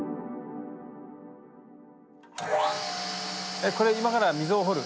えこれ今から溝を彫る？